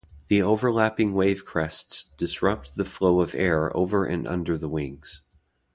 The overlapping wave crests disrupt the flow of air over and under the wings.